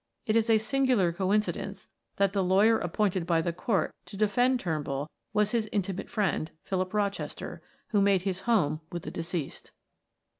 It is a singular coincidence that the lawyer appointed by the court to defend Turnbull was his intimate friend, Philip Rochester, who made his home with the deceased."